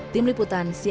tim liputan cnn indonesia